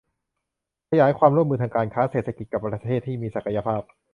ขยายความร่วมมือทางการค้า เศรษฐกิจกับประเทศที่มีศักยภาพ